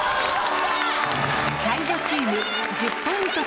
才女チーム１０ポイント